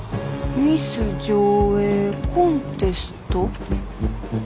「ミス条映コンテスト」？